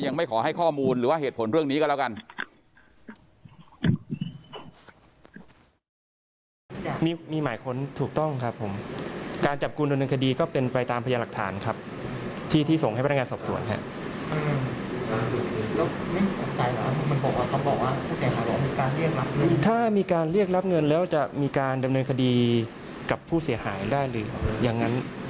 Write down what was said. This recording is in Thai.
ยังไม่ขอให้ข้อมูลหรือว่าเหตุผลเรื่องนี้ก็แล้วกัน